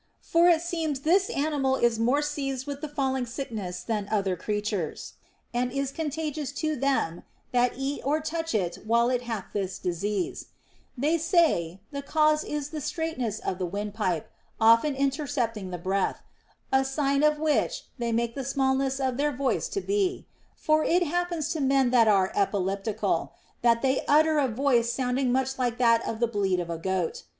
For it seems this animal is more seized with the falling sickness than other creatures, and is con tagious to them that eat or touch it while it hath this dis ease ; they say, the cause is the straightness of the wind pipe, often intercepting the breath, a sign of which they make the smallness of their voice to be ; for it happens to men that are epileptical, that they utter a voice sounding much like the bleat of a goat.